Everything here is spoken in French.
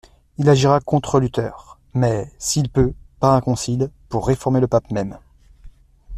Il agira contre Luther, mais, s'il peut, par un concile, pour réformer le pape même.